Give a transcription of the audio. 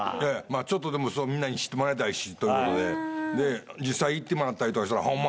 ちょっとでもみんなに知ってもらいたいしという事で実際行ってもらったりとかしたらホンマ